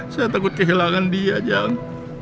saya takut kehilangan dia jalan